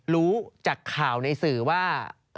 รู้จากข่าวในสื่อว่า